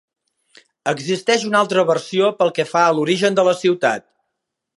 Existeix una altra versió pel que fa a l'origen de la ciutat.